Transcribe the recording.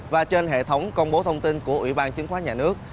và trên hệ thống công bố thông tin của ủy ban chứng khoán nhà nước